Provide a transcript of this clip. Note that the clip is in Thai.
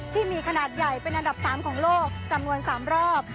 ที่มีขนาดใหญ่เป็นอันดับ๓ของโลกจำนวน๓รอบ